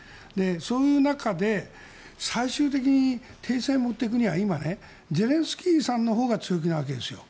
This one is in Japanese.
そういう中で最終的に停戦に持っていくには今、ゼレンスキーさんのほうが強気なわけですよ。